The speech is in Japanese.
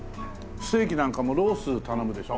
ステーキなんかもロース頼むでしょ？